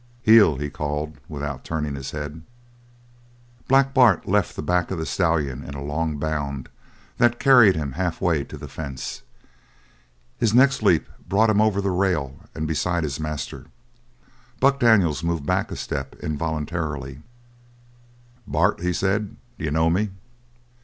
"Heel!" he called, without turning his head. Black Bart left the back of the stallion in a long bound that carried him half way to the fence. His next leap brought him over the rail and beside his master. Buck Daniels moved back a step involuntarily. "Bart," he said, "d'you know me?"